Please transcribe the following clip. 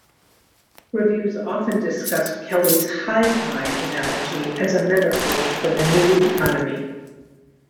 Reviews often discussed Kelly's hive-mind analogy as a metaphor for the New Economy.